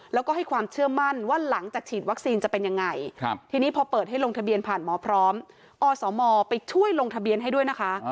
แล้วก็ให้ความเชื่อมั่นว่าหลังจากฉีดวัคซีนจะเป็นยังไงทีนี้พอเปิดให้ลงทะเบียนผ่านหมอพร้อมอสมไปช่วยลงทะเบียนให้ด้วยนะคะ